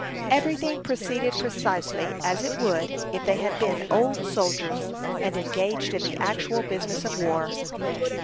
Every thing proceeded precisely as it would if they had been old soldiers, and engaged in the actual business of war.